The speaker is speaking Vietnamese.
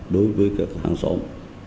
đối với các hàng xóm